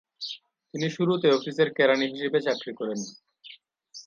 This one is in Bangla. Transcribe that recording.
তিনি শুরুতে অফিসের কেরানি হিসেবে চাকরি করেন।